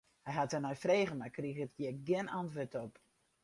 Hy hat der nei frege, mar kriget hjir gjin antwurd op.